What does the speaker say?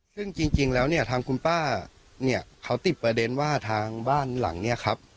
ซึ่งจริงแล้วเนี่ยทางคุณป้าเนี่ยเขาติดประเด็นว่าทางบ้านหลังเนี่ยครับ